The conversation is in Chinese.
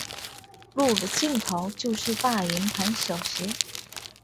路的尽头就是大营盘小学。